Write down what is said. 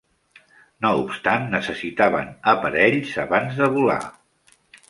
No obstant, necessitaven aparells abans de volar.